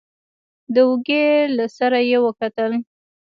د اوږې له سره يې وکتل.